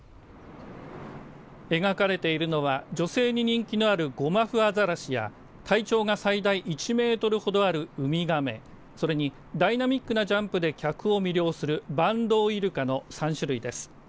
描かれているのは女性に人気のあるゴマフアザラシや体調が最大１メートルほどあるウミガメそれにダイナミックなジャンプで客を魅了するバンドウイルカの３種類です。